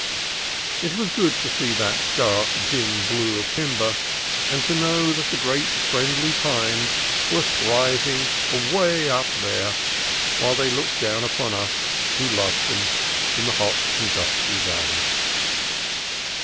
It was good to see that dark, dim blue of timber, and to know that the great friendly pines were thriving away up there, while they looked down on us who loved them, in the hot and dusty valley.